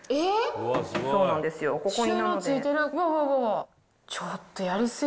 そうなんですよ、ここに。